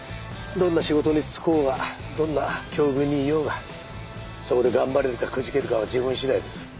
どんな仕事に就こうがどんな境遇にいようがそこで頑張れるかくじけるかは自分次第です。